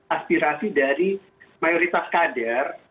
aspirasi dari mayoritas kader